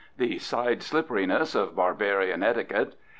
The side slipperyness of barbarian etiquette.